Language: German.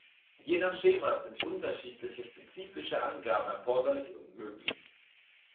Je nach Schema sind unterschiedliche spezifische Angaben erforderlich und möglich.